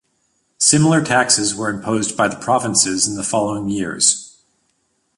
Similar taxes were imposed by the provinces in the following years.